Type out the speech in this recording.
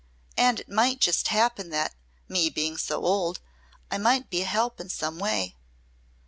And it might just happen that me being so old I might be a help some way."